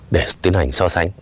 để tiến hành so sánh